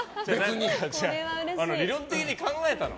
違う、理論的に考えたの。